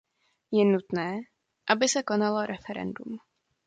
Je nutné, aby se konalo referendum.